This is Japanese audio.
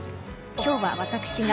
今日は私が。